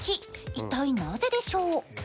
一体なぜでしょう？